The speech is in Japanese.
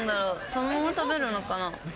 そのまま食べるのかな？